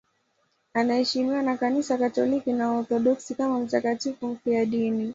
Anaheshimiwa na Kanisa Katoliki na Waorthodoksi kama mtakatifu mfiadini.